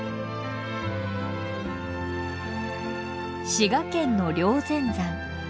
滋賀県の霊仙山。